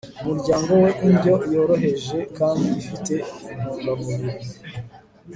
umuryango we indyo yoroheje kandi ifite intungamubiri